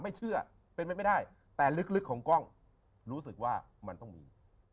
ไม่เชื่อเป็นไปไม่ได้แต่ลึกของกล้องรู้สึกว่ามันต้องมี